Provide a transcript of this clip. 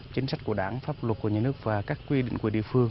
chính sách của đảng pháp luật của nhà nước và các quy định của địa phương